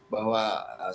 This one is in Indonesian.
bahwa semakin banyak